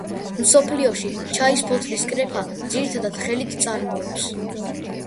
მსოფლიოში ჩაის ფოთლის კრეფა ძირითადად ხელით წარმოებს.